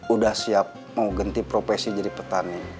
udah siap mau ganti profesi jadi petani